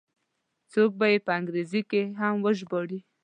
څوک به یې په انګریزي هم وژباړي.